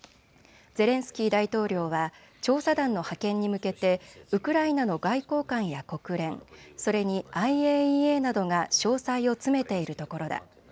ゼレンスキー大統領は調査団の派遣に向けてウクライナの外交官や国連、それにＩＡＥＡなどが詳細を詰めているところだ。